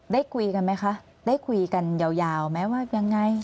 ได้คุยกันไหมคะได้คุยกันยาวไหมว่ายังไง